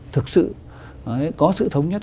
thực sự có sự thống nhất